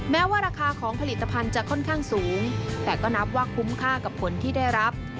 แม้ว่าราคาของผลิตภัณฑ์จะค่อนข้างสูงแต่ก็นับว่าคุ้มค่ากับผลที่ได้รับ